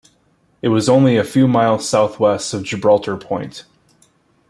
It was only a few miles south-west of Gibraltar Point.